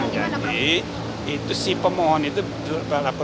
jadi itu sih pemohon itu berapa